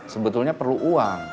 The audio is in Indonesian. sebetulnya perlu uang